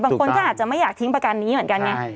บางคนก็อาจจะไม่อยากทิ้งประกันนี้เหมือนกันไง